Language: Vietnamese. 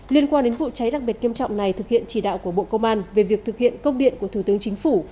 liên quan đến vụ cháy đặc biệt nghiêm trọng này thực hiện chỉ đạo của bộ công an về việc thực hiện công điện của thủ tướng chính phủ